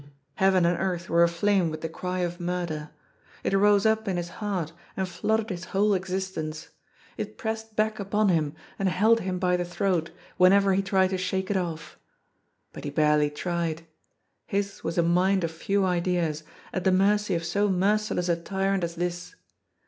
Heaven and earth were aflame with the cry of murder. It rose up in his heart and flooded his whole existence. It pressed back upon him, and held him by the throat, when ever he tried to shake it off. But he barely tried. His was a mind of few ideas, at the mercy of so merciless a tyrant as this.